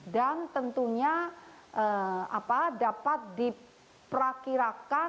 dan tentunya dapat diperakirakan